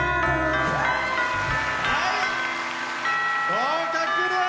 合格です！